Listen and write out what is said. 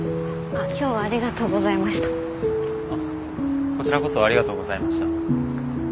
あこちらこそありがとうございました。